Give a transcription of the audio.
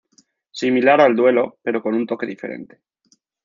Similar al duelo pero con un toque diferente.